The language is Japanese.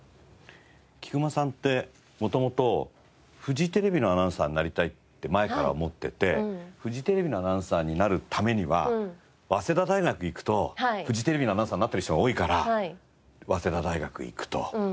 菊間さんって元々フジテレビのアナウンサーになりたいって前から思っててフジテレビのアナウンサーになるためには早稲田大学へ行くとフジテレビのアナウンサーになってる人が多いから早稲田大学へ行くと。